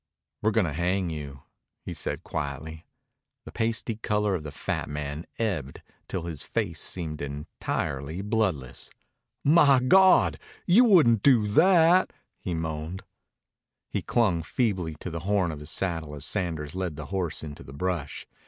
"We're going to hang you," he said quietly. The pasty color of the fat man ebbed till his face seemed entirely bloodless. "My God! You wouldn't do that!" he moaned. He clung feebly to the horn of his saddle as Sanders led the horse into the brush.